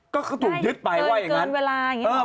ก็เขาถูกยึดไปว่าอย่างนั้นเกินเวลาอย่างนี้หรอ